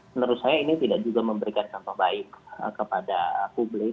menurut saya ini tidak juga memberikan contoh baik kepada publik